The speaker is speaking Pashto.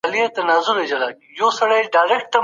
باطل په رښتیا کي ډېر کمزوری دی.